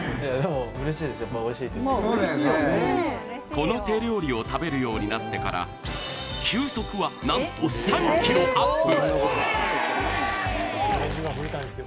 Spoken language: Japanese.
この手料理を食べるようになってから球速は、なんと３キロアップ。